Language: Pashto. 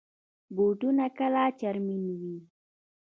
بوټونه کله چرمین وي.